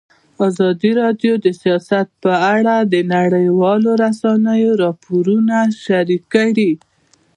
ازادي راډیو د سیاست په اړه د نړیوالو رسنیو راپورونه شریک کړي.